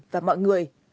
và mọi người